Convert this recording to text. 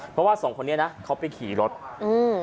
เพราะว่าสองคนนี้นะเขาไปขี่รถอืม